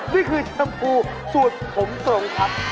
นี่คือจำหนูสูจน์ผงส่วนภักดิ์